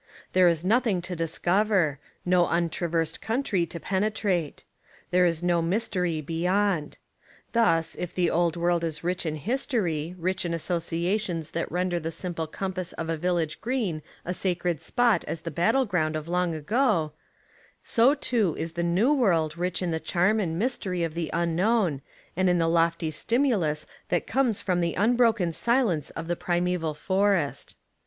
There is noth ing to discover, no untraversed country to pene trate. There is no mystery beyond. Thus if the old world is rich in history, rich in asso ciations that render the simple compass of a village green a sacred spot as the battleground of long ago, so too is the new world rich in the charm and mystery of the unknown, and in the lofty stimulus that comes from the un broken silence of the primeval forest.